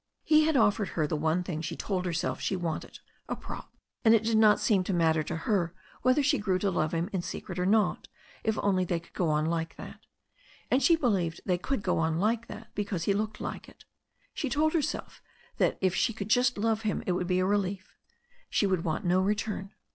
He had offered her the one thing she told herself she wanted, a prop. And it did not seem to matter to her whether she grew to love him in secret or not, if only they could go on like that. And she believed they could go on like that because he looked like it. She told herself that if she could just love him it would be a relief; she would want no return.